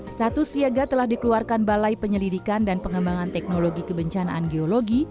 status siaga telah dikeluarkan balai penyelidikan dan pengembangan teknologi kebencanaan geologi